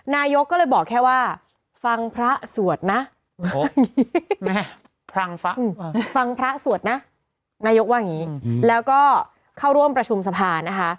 นายกว่าอย่างเนี่ยก็ข้าร่วมประชุมสภาค